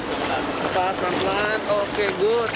empat pelan pelan oke good